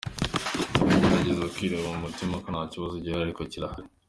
Tugerageza kwirema umutima ko nta kibazo gihari, ariko kirahari.